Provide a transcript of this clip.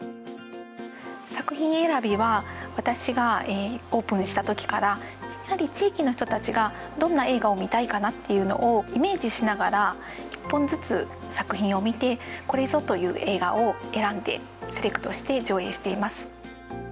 作品選びは私がオープンしたときからやはり地域の人達がどんな映画を見たいかなっていうのをイメージしながら１本ずつ作品を見てこれぞという映画を選んでセレクトして上映しています